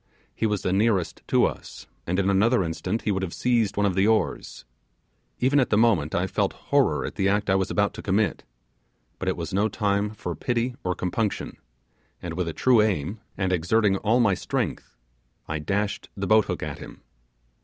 He was the nearest to us, and in another instant he would have seized one of the oars. Even at the moment I felt horror at the act I was about to commit; but it was no time for pity or compunction, and with a true aim, and exerting all my strength, I dashed the boat hook at him.